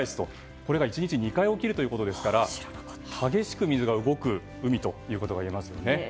これが１日２回起きるということですから激しく水が動く海ということがいえますよね。